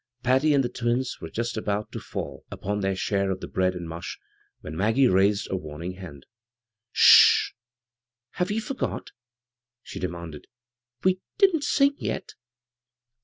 Patty and the twins were just about to fall b, Google CROSS CURRENTS upon their share of the bread and mush when Maggie raised a warning hand. " Sh hh ! Have ye forgot ?" she de manded. " We didn't sing yet."